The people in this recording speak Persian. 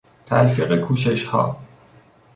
تلفیق کوششها